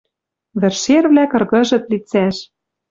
Вӹд шервлӓ кыргыжыт лицӓш.